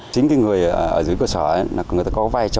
chính cái người ở dưới cơ sở người ta có vai trò